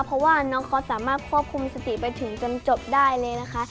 เพราะว่าน้องเขาสามารถควบคุมสติไปถึงจนจบได้เลยนะคะ